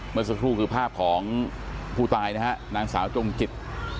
เมื่อสักครู่คือภาพของผู้ตายนะฮะนางสาวจงจิต